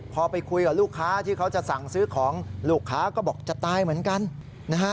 พอไปคุยกับลูกค้าที่เขาจะสั่งซื้อของลูกค้าก็บอกจะตายเหมือนกันนะฮะ